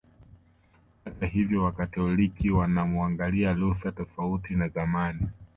Hivyo Wakatoliki wanamuangalia Luther tofauti na zamani